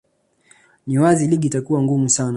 ni wazi ligi itakuwa ngumu sana